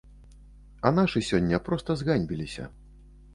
А нашы сёння проста зганьбіліся.